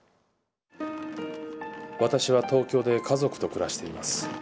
私は東京で家族と暮らしています。